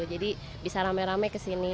jadi bisa rame rame ke sini